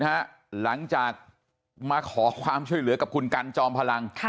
หลังจากมาขอความช่วยเหลือกับคุณกันจอมพลัง